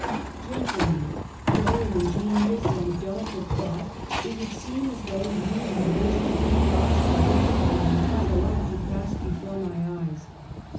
"Gentlemen, though an ingenious and delicate thought, it would seem as though you had wished to cause a vision of my entire life to pass before my eyes.